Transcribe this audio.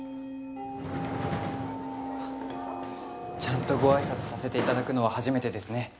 ちゃんとご挨拶させていただくのは初めてですね。